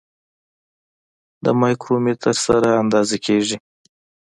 د مایکرومتر سره اندازه کیږي.